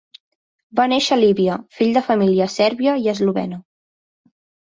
Va néixer a Líbia, fill de família sèrbia i eslovena.